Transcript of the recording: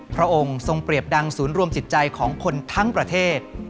พระองค์ทรงเปรียบดังศูนย์รวมจิตใจของคนทั้งประเทศ